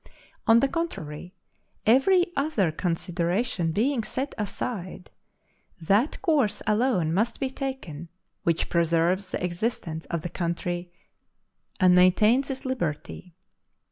On the contrary, every other consideration being set aside, that course alone must be taken which preserves the existence of the country and maintains its liberty.